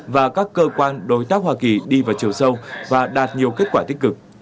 và các cơ quan đối tác hoa kỳ đi vào chiều sâu và đạt nhiều kết quả tích cực